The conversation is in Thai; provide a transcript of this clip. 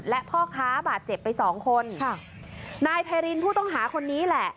และพ่อค้าบาดเจ็บไปสองคนค่ะนายไพรินผู้ต้องหาคนนี้แหละ